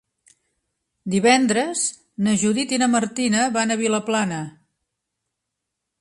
Divendres na Judit i na Martina van a Vilaplana.